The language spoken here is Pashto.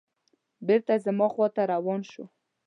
بېرته زما خواته روان شو.